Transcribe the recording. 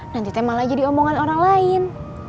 nanti temang aja diomongan orang lain